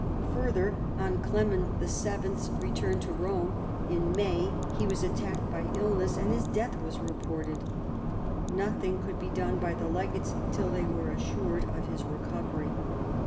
Further, on Clement VIL's return to Bome in May he was attacked by iUness, and his death was reported. Nothing could be done by the legates till they were assured of his recovery.